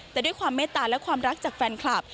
แต่ด้วยความเมตตาและความรักจากแฟนคลับ